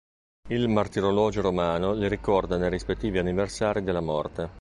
Il Martirologio Romano li ricorda nei rispettivi anniversari della morte.